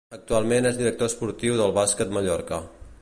Actualment és director esportiu del Bàsquet Mallorca.